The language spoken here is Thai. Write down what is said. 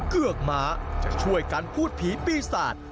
เกือกม้าจะช่วยกันพูดผีปีศาจ